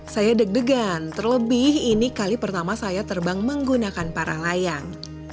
saya deg degan terlebih ini kali pertama saya terbang menggunakan para layang